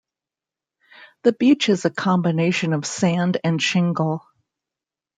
The beach is a combination of sand and shingle.